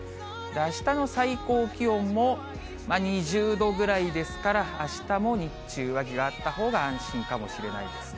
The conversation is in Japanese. あしたの最高気温も、２０度ぐらいですから、あしたも日中は上着があったほうが安心かもしれないです。